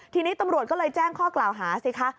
ทีนี้ตำรวจก็เลยแจ้งข้อกล่าวหาสิคะ